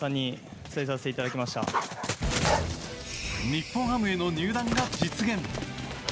日本ハムへの入団が実現。